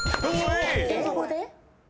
英語で？